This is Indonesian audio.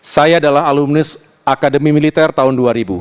saya adalah alumnus akademi militer tahun dua ribu